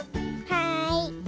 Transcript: はい。